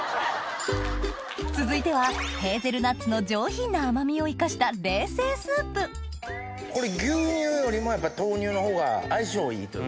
続いてはヘーゼルナッツの上品な甘みを生かしたこれ牛乳よりもやっぱ豆乳のほうが相性いいというか。